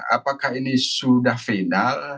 apakah ini sudah final